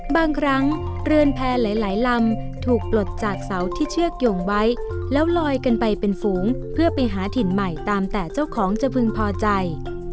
บางครั้งเรือนแพร่หลายลำถูกปลดจากเสาที่เชือกโยงไว้แล้วลอยกันไปเป็นฝูงเพื่อไปหาถิ่นใหม่ตามแต่เจ้าของจะพึงพอใจ